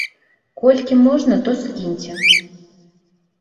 Колькі можна то скіньце!